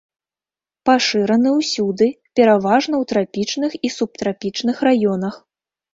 Пашыраны ўсюды, пераважна ў трапічных і субтрапічных раёнах.